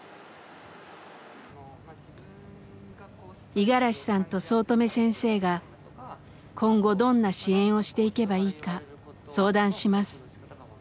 五十嵐さんと早乙女先生が今後どんな支援をしていけばいいか相談します。